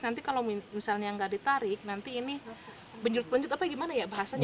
nanti kalau misalnya nggak ditarik nanti ini benjut bencut apa gimana ya bahasanya